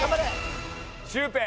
シュウペイ。